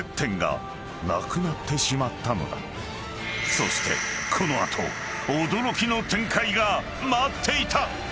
［そしてこの後驚きの展開が待っていた］